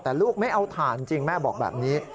แต่ลูกไม่เอาถ่านจริงแม่บอกแบบนี้